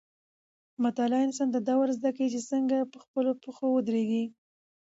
مطالعه انسان ته دا ورزده کوي چې څنګه په خپلو پښو ودرېږي.